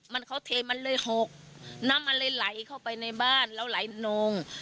มันเขาเทมันเลยหกน้ำมันเลยไหลเข้าไปในบ้านแล้วไหลนง